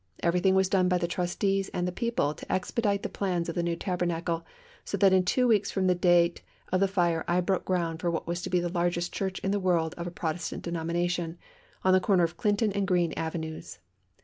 Everything was done by the trustees and the people, to expedite the plans of the New Tabernacle so that in two weeks from the date of the fire I broke ground for what was to be the largest church in the world of a Protestant denomination, on the corner of Clinton and Greene Avenues.